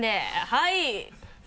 はい！